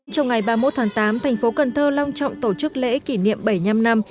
trong ngày ba mươi một tháng tám thành phố cần thơ long trọng tổ chức lễ kỷ niệm bảy mươi năm năm